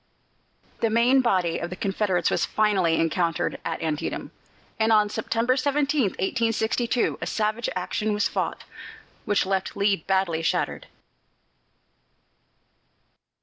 The main body of the Confederates was finally encountered at Antietam, and on September 17, 1862, a savage action was fought, which left Lee badly shattered.